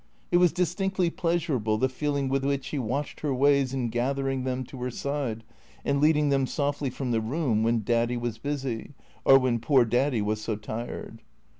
It was distinctly pleasurable the feeling with which he watched her ways in gathering them to her side and leading them softly from the room when " Daddy was busy," or when " poor Daddy was so tired."